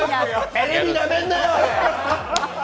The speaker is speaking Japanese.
テレビなめんなよ！